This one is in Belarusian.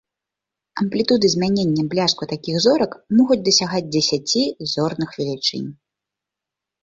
Амплітуды змянення бляску такіх зорак могуць дасягаць дзесяці зорных велічынь.